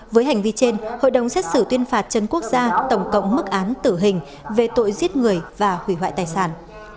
với hành vi trên hội đồng xét xử tuyên phạt trần quốc gia tổng cộng mức án tử hình về tội giết người và hủy hoại tài sản